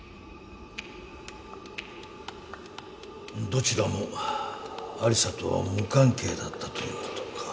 どちらも有沙とは無関係だったということか。